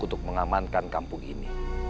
untuk mengamankan kampung ini